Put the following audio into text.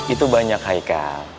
itu banyak haikal